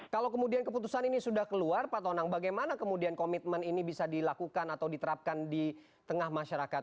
kalau kemudian keputusan ini sudah keluar pak tonang bagaimana kemudian komitmen ini bisa dilakukan atau diterapkan di tengah masyarakat